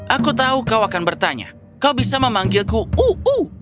aku tahu kau akan bertanya kau bisa memanggilku uu